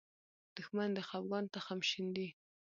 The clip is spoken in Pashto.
دښمن د خپګان تخم شیندي